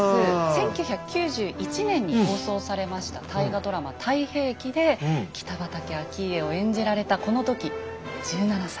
１９９１年に放送されました大河ドラマ「太平記」で北畠顕家を演じられたこの時１７歳。